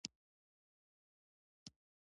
او د خلیفه تر څنګ کېناست.